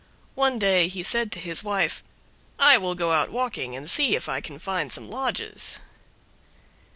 One day he said to his wife, "I will go out walking and see if I can find some lodges."